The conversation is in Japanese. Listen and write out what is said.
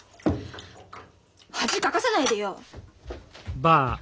恥かかさないでよ！